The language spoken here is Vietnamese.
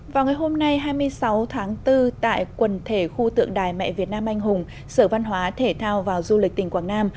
vào ngày hôm nay hai mươi sáu tháng bốn tại quần thể khu tượng đài mẹ việt nam anh hùng sở văn hóa thể thao và du lịch tỉnh quảng nam